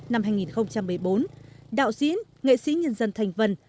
năm hai nghìn một mươi bốn đạo diễn nghệ sĩ nhân dân thành vân